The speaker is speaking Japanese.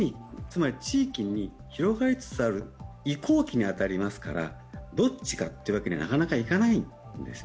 つまり地域に広がりつつある移行期に当たりますからどっちかというわけには、なかなかいかないわけです。